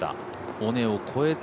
尾根を越えて。